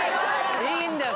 いいんだよ